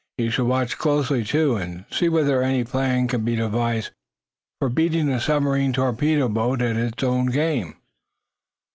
We shall watch closely, too, and see whether any plan can be devised for beating a submarine torpedo boat at its own game."